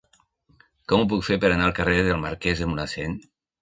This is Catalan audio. Com ho puc fer per anar al carrer del Marquès de Mulhacén?